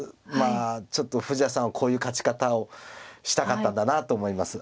ちょっと富士田さんはこういう勝ち方をしたかったんだなと思います。